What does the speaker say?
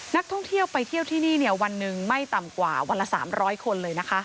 นักท่องเที่ยวไปเที่ยวที่นี่วันหนึ่งไม่ต่ำกว่าวันละ๓๐๐คนเลยนะคะ